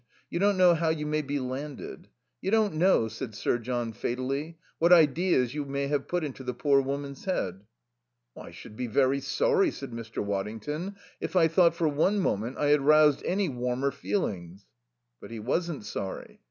You don't know how you may be landed. You don't know," said Sir John fatally, "what ideas you may have put into the poor woman's head." "I should be very sorry," said Mr. Waddington, "if I thought for one moment I had roused any warmer feelings " But he wasn't sorry.